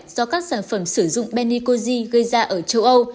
do các sản phẩm sử dụng benicozi gây ra ở châu âu